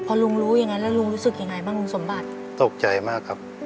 พอลุงรู้อย่างนั้นแล้วลุงรู้สึกยังไงบ้างลุงสมบัติตกใจมากครับ